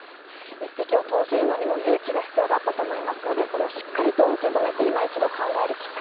一石を投じるのにも勇気が必要だったと思いますので、それをしっかりと受け止めて、いま一度考えるきっか